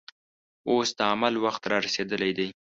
اوس د عمل وخت رارسېدلی دی.